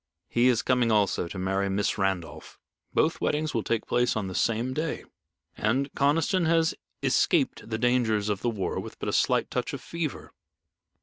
"He is coming also to marry Miss Randolph. Both weddings will take place on the same day, and Conniston has escaped the dangers of the war with a slight touch of fever.